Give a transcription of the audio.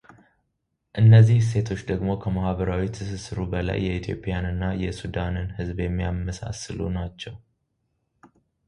እነዚህ እሴቶች ደግሞ ከማህበራዊ ትስስሩ በላይ የኢትዮጵያን እና የሱዳንን ህዝብ የሚያመሳስሉ ናቸው